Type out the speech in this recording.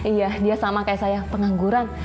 iya dia sama kayak saya pengangguran